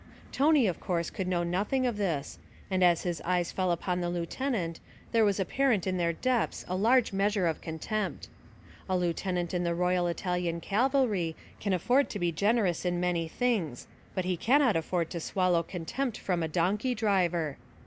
Tony of course could know nothing of this, and as his eyes fell upon the lieutenant, there was apparent in their depths a large measure of contempt. A lieutenant in the Royal Italian Cavalry can afford to be generous in many things, but he cannot afford to swallow contempt from a donkey driver.